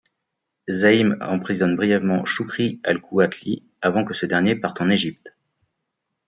Zaim emprisonne brièvement Shukri al-Kuwatli avant que ce dernier parte en Égypte.